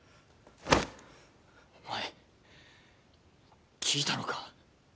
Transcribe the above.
お前聞いたのか？